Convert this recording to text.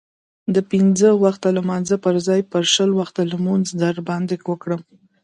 د پنځه وخته لمانځه پرځای به شل وخته لمونځ در باندې وکړم.